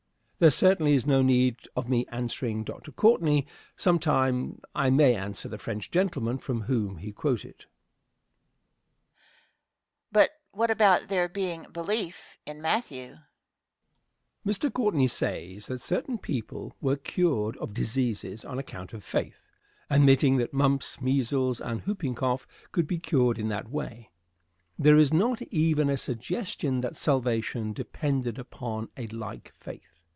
There certainly is no need of my answering Dr. Courtney; sometime I may answer the French gentlemen from whom he quoted. Question. But what about there being "belief" in Matthew? Answer. Mr. Courtney says that certain people were cured of diseases on account of faith. Admitting that mumps, measles, and whooping cough could be cured in that way, there is not even a suggestion that salvation depended upon a like faith.